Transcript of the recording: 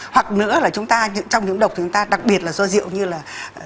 hoặc nữa là chúng ta trong nhóm độc chúng ta đặc biệt là do rượu như là